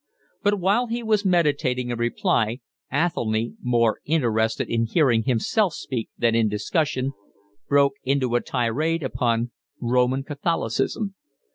But while he was meditating a reply Athelny, more interested in hearing himself speak than in discussion, broke into a tirade upon Roman Catholicism.